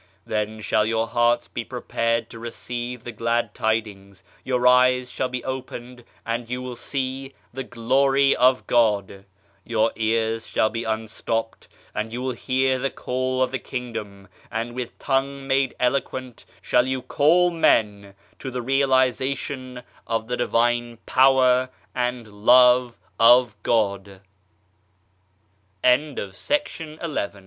Then shall your hearts be prepared to receive the glad tidings, your eyes shall be opened and you will see the Glory of God ; your ears shall be un stopped and you will hear the call of the Kingdom, and with tongue made eloquent shall you call men to the realization of the Divine Power and Love of God !